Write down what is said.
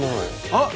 あっ！